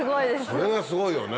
それがすごいよね。